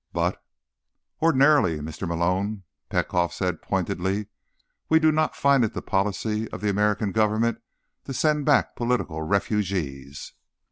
"But—" "Ordinarily, Mr. Malone," Petkoff said pointedly, "we do not find it the policy of the American government to send back political refugees."